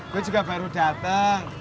gue juga baru datang